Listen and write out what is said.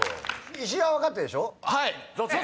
石井は分かったでしょ？